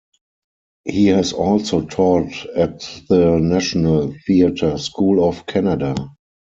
He has also taught at the National Theatre School of Canada.